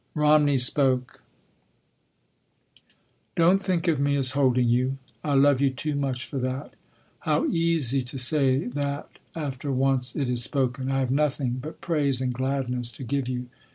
Romney spoke: "Don’t think of me as holding you. I love you too much for that—how easy to say that after once it is spoken.... I have nothing but praise and gladness to give you.